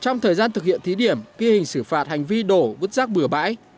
trong thời gian thực hiện thí điểm khi hình xử phạt hành vi đổ vứt rác bửa bãi